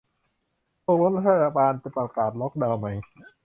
ตกลงรัฐบาลจะประกาศล็อกดาวไหม